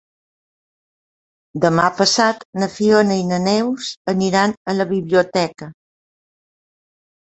Demà passat na Fiona i na Neus aniran a la biblioteca.